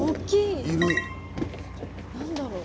何だろう？